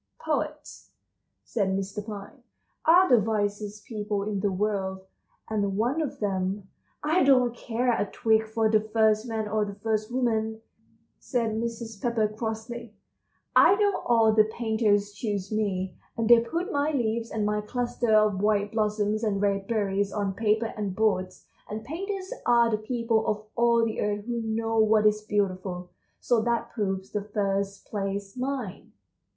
"Poets," said Mr. Pine, "are the wisest people in the world, and one of them"— "I don't care a twig for the first man or the first woman," said Mrs. Pepper crossly. "I know all the painters choose me, and they put my leaves and my clusters of white blossoms and red berries on paper and boards, and painters are the people of all the earth who know what is beautiful, so that proves the first place mine."